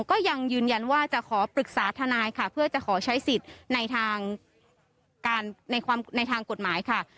ก็ยังยืนยันว่าจะขอปรึกษาทนายค่ะเพื่อจะขอใช้สิทธิ์ในทางการในทางกฎหมายค่ะ